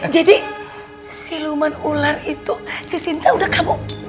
jadi siluman ular itu si sinta udah kamu